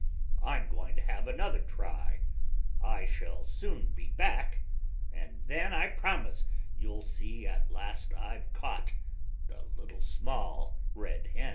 "I'm going to have another try, I shall soon be back, and then I promise you'll see at last I've caught The Little Small Red Hen."